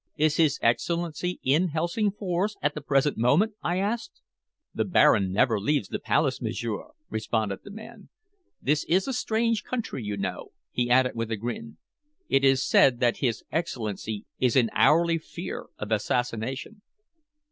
"Is his Excellency in Helsingfors at the present moment?" I asked. "The Baron never leaves the Palace, m'sieur," responded the man. "This is a strange country, you know," he added, with a grin. "It is said that his Excellency is in hourly fear of assassination."